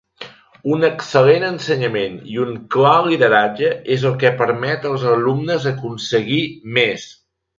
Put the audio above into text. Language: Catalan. Un excel·lent ensenyament i un clar lideratge és el que permet als alumnes aconseguir més.